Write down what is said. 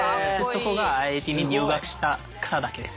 そこがＩＩＴに入学したからだけです。